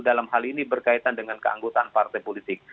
dalam hal ini berkaitan dengan keanggotaan partai politik